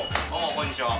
こんにちは。